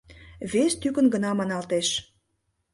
Вес тӱкын гына маналтеш...